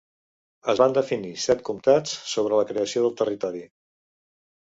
Es van definir set comtats sobre la creació del territori.